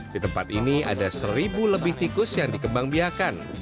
di tempat ini ada seribu lebih tikus yang dikembang biakan